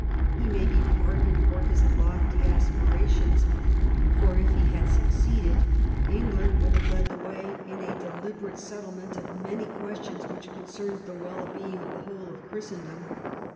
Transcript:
He may be pardoned for his lofty aspirations, for if he had succeeded England would have led the way in a deliberate settlement of many questions which concerned the wellbeing of the whole of Christen dom.